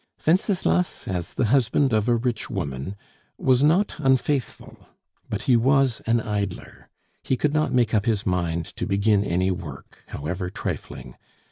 Wenceslas, as the husband of a rich woman, was not unfaithful, but he was an idler; he could not make up his mind to begin any work, however trifling.